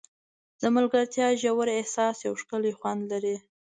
د ملګرتیا ژور احساس یو ښکلی خوند لري.